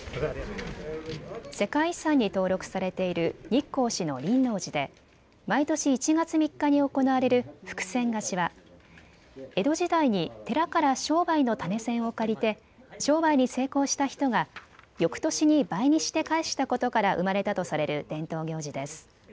世界遺産に登録されている日光市の輪王寺で毎年１月３日に行われる福銭貸しは江戸時代に寺から商売の種銭を借りて商売に成功した人がよくとしに倍にして返したことから生まれたとされる伝統行事です。